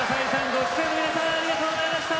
ご出演の皆さんありがとうございました。